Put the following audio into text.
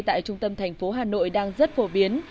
tại trung tâm thành phố hà nội đang rất phổ biến